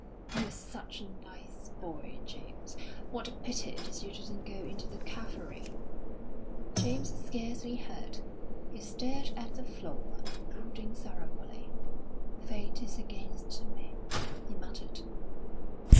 "You're such a nice boy, James. What a pity it is you didn't go into the cavalry!" James scarcely heard; he stared at the floor, brooding sorrowfully. "Fate is against me," he muttered.